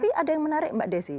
tapi ada yang menarik mbak desi